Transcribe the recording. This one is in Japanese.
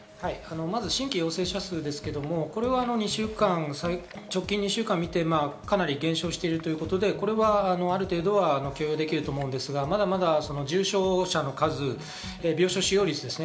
まず新規陽性者数ですけれども、これは直近２週間を見てかなり減少しているということで、これはある程度は受け入れられると思うんですが、まだまだ重症者の数、病床使用率ですね。